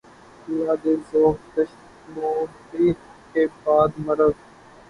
اللہ رے ذوقِ دشت نوردی! کہ بعدِ مرگ